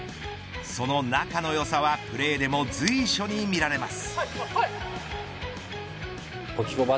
その仲の良さはプレーでも随所にみられます。